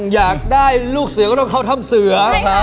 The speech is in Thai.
อยากได้ลูกเสือก็ต้องเข้าถ้ำเสือ